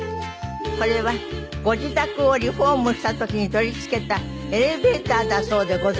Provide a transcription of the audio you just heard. これはご自宅をリフォームした時に取り付けたエレベーターだそうでございます。